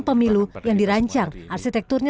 pemilu yang dirancang arsitekturnya